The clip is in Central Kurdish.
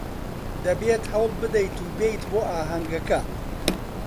دەبێت هەوڵ بدەیت و بێیت بۆ ئاهەنگەکە.